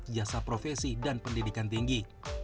jasa profesi dan pendidikan tinggi